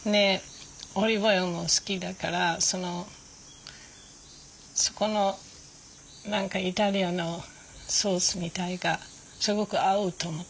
オリーブオイルも好きだからそこの何かイタリアのソースみたいがすごく合うと思って。